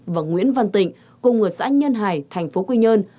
và nguyễn văn tịnh cô ngừa xã nhân hải thành phố quy nhơn